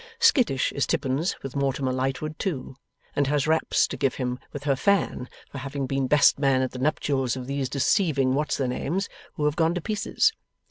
Skittish is Tippins with Mortimer Lightwood too, and has raps to give him with her fan for having been best man at the nuptials of these deceiving what's their names who have gone to pieces.